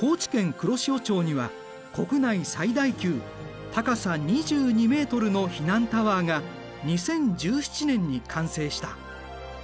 黒潮町には国内最大級高さ２２ｍの避難タワーが２０１７年に完成した。